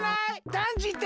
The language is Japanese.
だんじて！